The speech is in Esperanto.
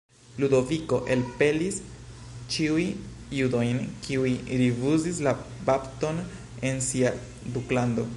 Ludoviko elpelis ĉiuj judojn kiuj rifuzis la bapton en sia duklando.